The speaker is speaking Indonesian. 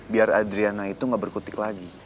biar adriana itu gak berkutik lagi